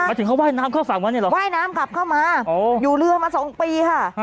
ถึงเขาว่ายน้ำเข้าฝั่งมาเนี่ยเหรอว่ายน้ำกลับเข้ามาอยู่เรือมาสองปีค่ะ